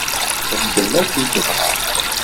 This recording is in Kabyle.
Txeddem akken tebɣa.